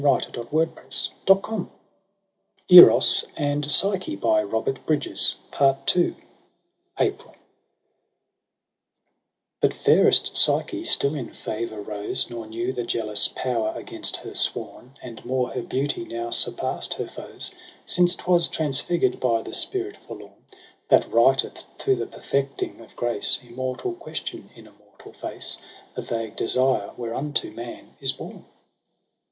With stir of music and of conches blown. Was Aphrodite launched upon the main. ^^"WP" I APRIL I "DUT fairest Psyche still in fevour rose, Nor knew the jealous power against her sworn ; And more her beauty now surpass't her foe's, Since 'twas transfigured by the spirit forlorn, That writeth, to the perfecting of grace, Immortal question in a mortal face, The vague desire whereunto man is born.